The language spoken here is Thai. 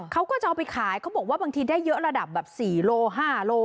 เขาก็จะเอาไปขายเขาบอกว่าบางทีได้เยอะระดับแบบ๔โล๕โล